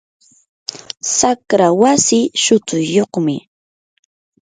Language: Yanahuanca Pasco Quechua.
saqra wasii shutuyyuqmi.